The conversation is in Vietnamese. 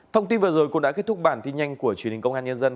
thông tin vừa rồi cũng đã kết thúc bản tin nhanh của truyền hình công an nhân dân